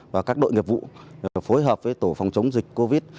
và các đội nghiệp vụ phối hợp với tổ phòng chống dịch covid